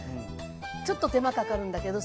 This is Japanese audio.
ちょっと手間かかるんだけど。